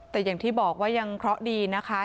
แต่อย่างที่บอกว่ายังเคราะห์ดีนะคะ